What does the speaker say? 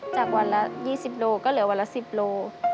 จากวันละ๒๐โลก็เหลือวันละ๑๐โล